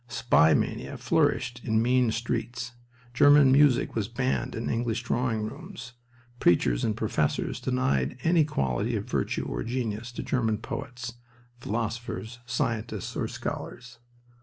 Spy mania flourished in mean streets, German music was banned in English drawing rooms. Preachers and professors denied any quality of virtue or genius to German poets, philosophers, scientists, or scholars.